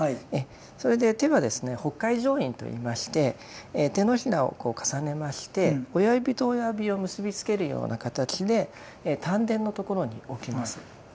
それで手はですね法界定印と言いまして手のひらを重ねまして親指と親指を結びつけるような形で丹田のところに置きます。